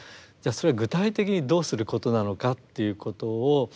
あそれは具体的にどうすることなのかっていうことを。